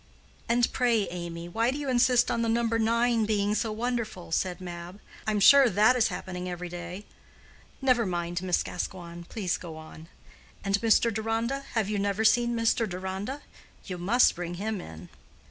"And pray, Amy, why do you insist on the number nine being so wonderful?" said Mab. "I am sure that is happening every day. Never mind, Miss Gascoigne; please go on. And Mr. Deronda?—have you never seen Mr. Deronda? You must bring him in."